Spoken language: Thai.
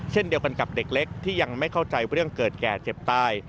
เช่นเดียวกันกับเด็กเล็กที่ยังไม่เข้าใจเรื่องเกิดแก่เจ็บตาย